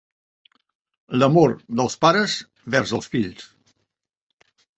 L'amor dels pares vers els fills.